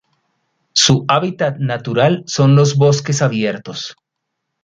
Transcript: Su hábitat natural son los bosques abiertos.